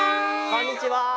こんにちは！